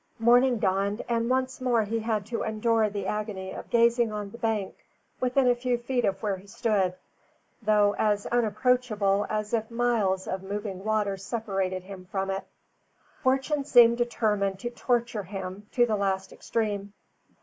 Morning dawned, and once more he had to endure the agony of gazing on the bank within a few feet of where he stood, though as unapproachable as if miles of moving water separated him from it. Fortune seemed determined to torture him to the last extreme.